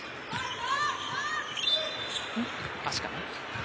足かな？